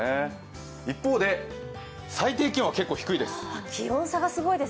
一方、最低気温は結構、低いです。